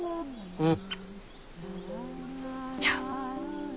うん。